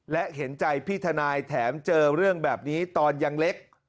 และเห็นใจพี่ทนายแถมเจอเรื่องแบบนี้ตอนยังเล็ก